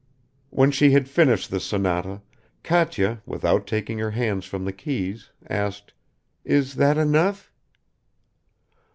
When she had finished the sonata, Katya, without taking her hands from the keys, asked, "Is that enough?"